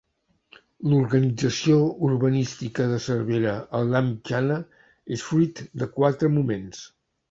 L'organització urbanística de Cervera a l'edat mitjana és fruit de quatre moments.